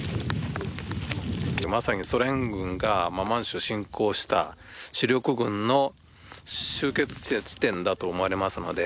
まさにソ連軍が満州侵攻した主力軍の集結地点だと思われますので。